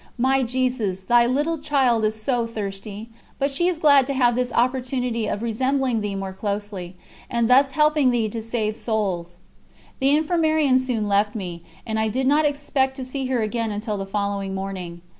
... My Jesus! Thy little child is so thirsty. But she is glad to have this opportunity of resembling Thee more closely, and thus helping Thee to save souls.' The Infirmarian soon left me, and I did not expect to see her again until the following morning.